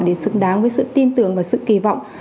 để xứng đáng với sự tin tưởng và sự kỳ vọng